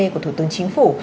của thủ tướng chính phủ